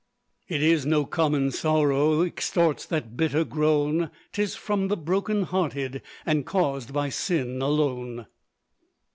It is no common sorrow, Extorts that bitter groan; 'Tis from the broken hearted, And caused by sin alone.